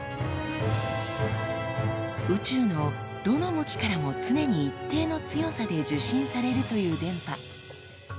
宇宙のどの向きからも常に一定の強さで受信されるという電波。